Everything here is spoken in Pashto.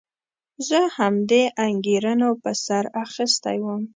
زه همدې انګېرنو په سر اخیستی وم.